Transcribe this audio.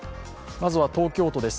まずは東京都です。